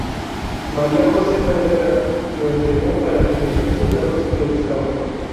María Josefa Herrera, lo entregó a la comisión de soldados que lo buscaba.